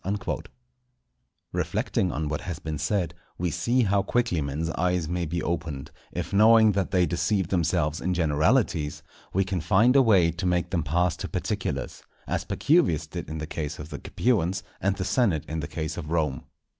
_" Reflecting on what has been said, we see how quickly men's eyes may be opened, if knowing that they deceive themselves in generalities, we can find a way to make them pass to particulars; as Pacuvius did in the case of the Capuans, and the senate in the case of Rome.